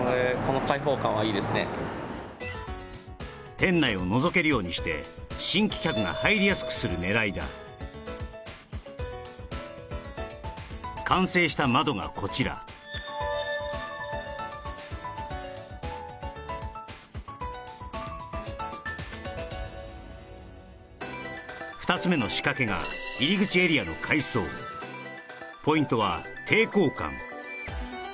店内をのぞけるようにして完成した窓がこちら２つ目の仕掛けが入り口エリアの改装ポイントは抵抗感